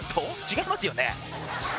違いますよね